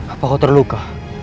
apa kau terluka